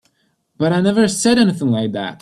But I never said anything like that.